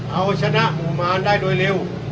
เอาชนะหมู่มารได้โดยเร็ว